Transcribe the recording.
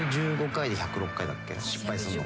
失敗するの。